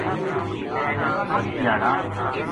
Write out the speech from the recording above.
کجھ دھیاڑاں